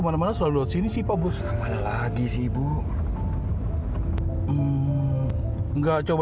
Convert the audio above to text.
makasih pak jo